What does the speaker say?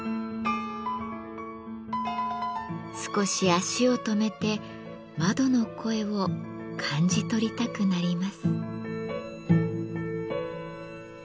少し足を止めて窓の声を感じ取りたくなります。